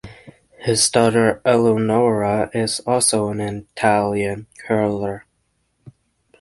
His daughter Eleonora is also an Italian curler.